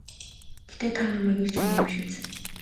Гэхдээ та намайг эрж яваа юм биш биз?